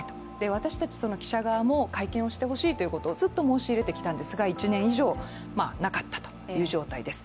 私たち記者側も会見をしてほしいということをずっと申し入れていたわけですが１年以上、なかったという状態です。